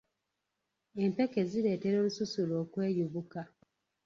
Empeke zireetera olususu lwe okweyubuka.